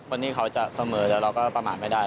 วันนี้เขาจะเสมอแล้วเราก็ประมาทไม่ได้